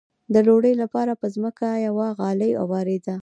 د ډوډۍ لپاره به په ځمکه یوه غالۍ اوارېده.